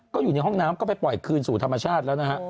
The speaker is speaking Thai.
ก็อยู่ในห้องน้ำก็ไปปล่อยคืนสู่ธรรมชาติแล้วนะฮะ